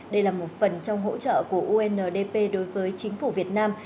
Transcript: đây là một phần trong hỗ trợ của undp đối với chính phủ việt nam